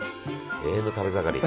永遠の食べ盛り！